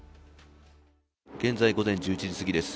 現在、午前１１時すぎです。